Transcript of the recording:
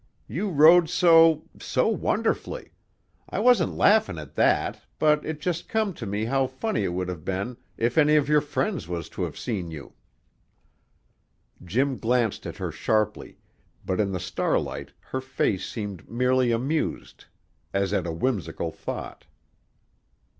You rode so so wonderfully. I wasn't laughin' at that, but it just come to me how funny it would have been if any of your friends was to have seen you!" Jim glanced at her sharply, but in the starlight her face seemed merely amused as at a whimsical thought.